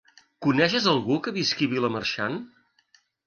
Coneixes algú que visqui a Vilamarxant?